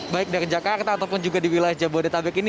baik dari jakarta ataupun juga di wilayah jabodetabek ini